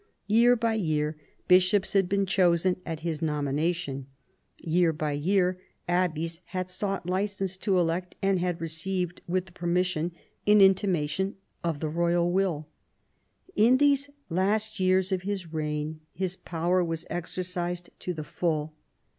Year by year bishops had been chosen at his nomination. Year by year abbeys had sought licence to elect, and had received with the permission an intimation of the royal will. In these last years of his reign this power was exercised to the full.